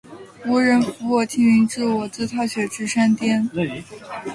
无人扶我青云志，我自踏雪至山巅。